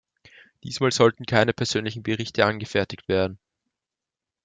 Diesmal sollten keine persönlichen Berichte angefertigt werden.